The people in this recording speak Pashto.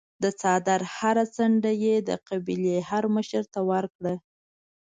د څادر هره څنډه یې د قبیلې هرمشر ته ورکړه.